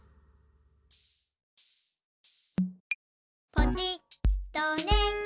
「ポチッとね」